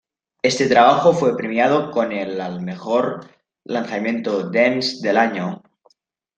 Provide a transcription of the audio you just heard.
Este trabajo fue premiado con el al mejor lanzamiento dance del año.